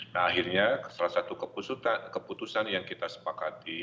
nah akhirnya salah satu keputusan yang kita sepakati